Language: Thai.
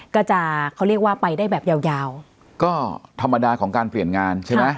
ก็จะเขาเรียกว่าไปได้แบบยาวยาวก็ธรรมดาของการเปลี่ยนงานใช่ไหม